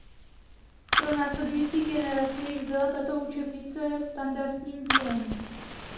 Pro následující generaci již byla tato učebnice standardním dílem.